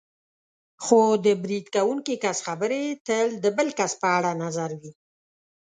خو د برید کوونکي کس خبرې تل د بل کس په اړه نظر وي.